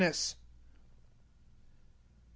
'* Ch.